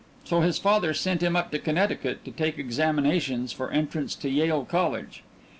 So his father sent him up to Connecticut to take examinations for entrance to Yale College.